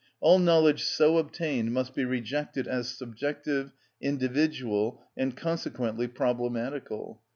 All knowledge so obtained must be rejected as subjective, individual, and consequently problematical.